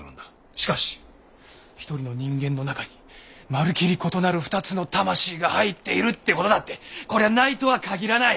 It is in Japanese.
しかし一人の人間の中にまるきり異なる２つの魂が入っているっていう事だってこれはないとは限らない！